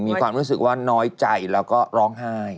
มีความรู้สึกว่าน้อยใจแล้วก็ร้องไห้